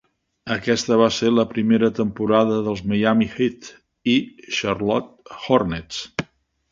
Aquesta va ser la primera temporada dels Miami Heat i Charlotte Hornets.